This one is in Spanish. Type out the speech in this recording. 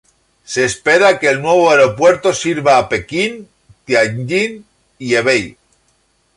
Se espera que el nuevo aeropuerto sirva a Pekín, Tianjin y Hebei.